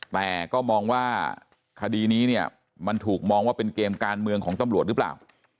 แต่ก็มองว่าคดีนี้เนี่ยมันถูกมองว่าเป็นเกมการเมืองของตำรวจหรือเปล่า